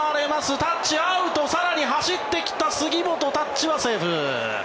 タッチ、アウト更に走ってきた杉本タッチはセーフ。